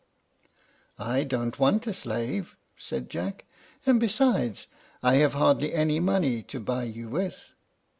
"I don't want a slave," said Jack; "and, besides, I have hardly any money to buy you with."